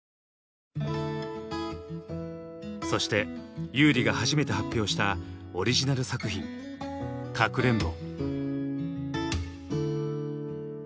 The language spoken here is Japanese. そして優里が初めて発表したオリジナル作品「かくれんぼ」。